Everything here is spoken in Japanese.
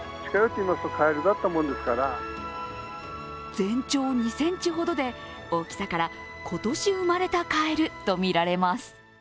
全長２ｃｍほどで、大きさから、今年生まれたカエルとみられます。